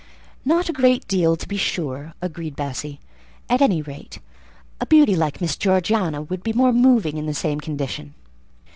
"Not a great deal, to be sure," agreed Bessie: "at any rate, a beauty like Miss Georgiana would be more moving in the same condition."